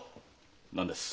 何です？